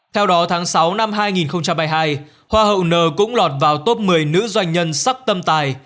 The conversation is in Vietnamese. theo đó tháng sáu năm hai nghìn hai mươi hai hoa hậu nờ cũng lọt vào top một mươi nữ doanh nhân sắc tâm tài